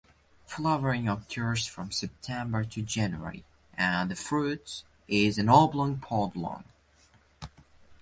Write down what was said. Flowering occurs from September to January and the fruit is an oblong pod long.